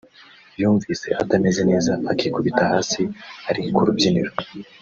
yumvise atameze neza akikubita hasi ari ku rubyiniro